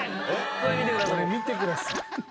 これ見てください。